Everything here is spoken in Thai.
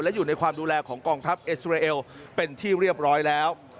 และอยู่ในความดูแลของกองทัพอิสราเอลเป็นที่เรียบร้อยแล้ว